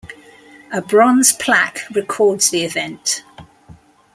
A bronze plaque records the event.